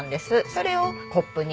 それをコップに。